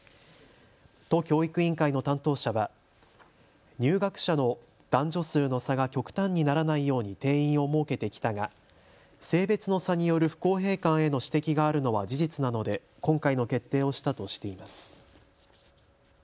都教育委員会の担当者は入学者の男女数の差が極端にならないように定員を設けてきたが性別の差による不公平感への指摘があるのは事実なので今回の決定をしたとしています。